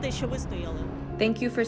terima kasih untuk tetap kuat